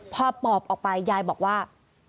พอปอบออกไปยายบอกว่า